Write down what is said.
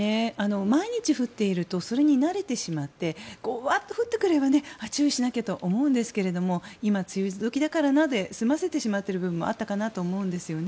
毎日降っているとそれに慣れてしまってウワッと降ってくれば注意しなきゃと思うんですが今、梅雨時だからなで済ませてしまっている部分もあったかなと思うんですよね。